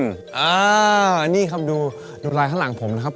อันนี้ครับดูลายข้างหลังผมนะครับ